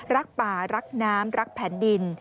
รักป่ารักน้ำรักแผ่นดิน